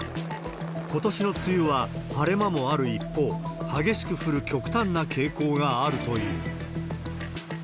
ことしの梅雨は、晴れ間もある一方、激しく降る極端な傾向があるという。